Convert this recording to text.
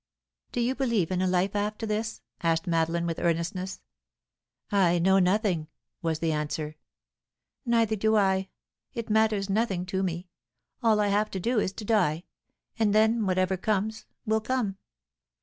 "Do you believe in a life after this?" asked Madeline, with earnestness. "I know nothing," was the answer. "Neither do I. It matters nothing to me. All I have to do is to die, and then whatever comes will come.